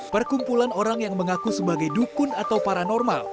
perkumpulan orang yang mengaku sebagai dukun atau paranormal